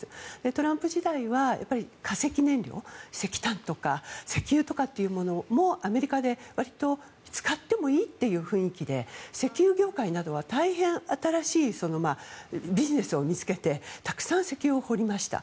トランプ時代は化石燃料石炭とか石油とかというものもアメリカでわりと使ってもいいという雰囲気で石油業界などは大変新しいビジネスを見つけてたくさん石油を掘りました。